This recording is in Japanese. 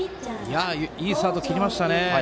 いいスタート切りましたね。